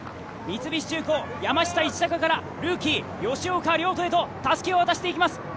三菱重工・山下一貴からルーキー・吉岡遼人へとたすきを渡していきます。